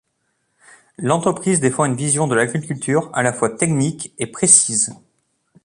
L’entreprise défend une vision de l’agriculture, à la fois technique et précise.